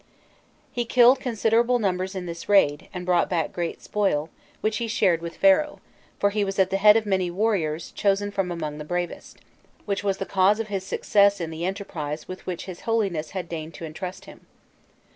He killed considerable numbers in this raid, and brought back great spoil, which he shared with Pharaoh; "for he was at the head of many warriors, chosen from among the bravest," which was the cause of his success in the enterprise with which his Holiness had deigned to entrust him.